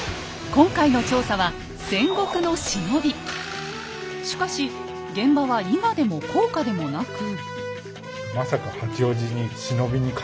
今回の調査はしかし現場は伊賀でも甲賀でもなく。